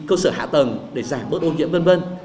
cơ sở hạ tầng để giảm bớt ô nhiễm